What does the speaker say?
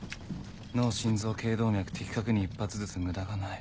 脳心臓頸動脈的確に一発ずつ無駄がない。